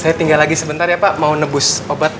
saya tinggal lagi sebentar ya pak mau nebus obat